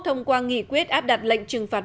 thông qua nghị quyết áp đặt lệnh trừng phạt